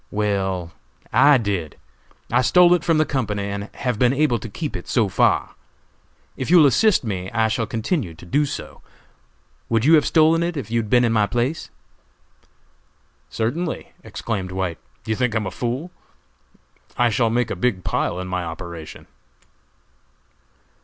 "Well, I did! I stole it from the company, and have been able to keep it so far. If you will assist me, I shall continue to do so. Would you have stolen it if you had been in my place?" "Certainly," exclaimed White; "do you think I am a fool? I shall make a big pile in my operation."